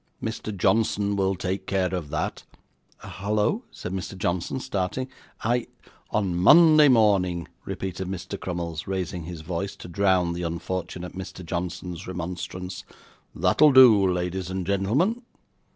Mr. Johnson will take care of that.' 'Hallo!' said Nicholas, starting. 'I ' 'On Monday morning,' repeated Mr. Crummles, raising his voice, to drown the unfortunate Mr. Johnson's remonstrance; 'that'll do, ladies and gentlemen.